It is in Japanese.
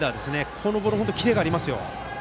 このボール、キレがありますよ。